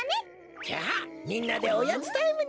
じゃあみんなでおやつタイムにしようなのだ！